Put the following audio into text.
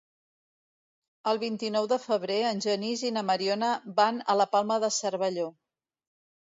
El vint-i-nou de febrer en Genís i na Mariona van a la Palma de Cervelló.